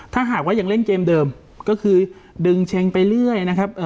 ถ้าหากว่ายังเล่นเกมเดิมก็คือดึงเช็งไปเรื่อยนะครับ